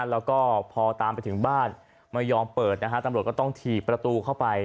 แล้วก็พอตามไปถึงบ้านไม่ยอมเปิดนะฮะตำรวจก็ต้องถีบประตูเข้าไป